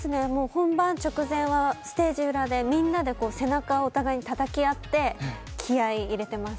本番直前はステージ裏でみんなでお互い背中をたたき合って気合い、入れてます。